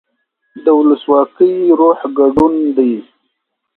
د ولسواکۍ روح ګډون دی